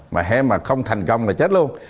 mà hế mà không thành công là chết luôn